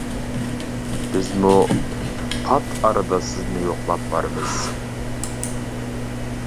بىزمۇ پات ئارىدا سىزنى يوقلاپ بارىمىز.